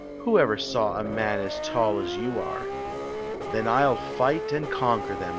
"Who ever saw a man as tall as you are?" "Then I *11 fight and conquer them!"